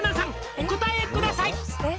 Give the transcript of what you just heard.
お答えください」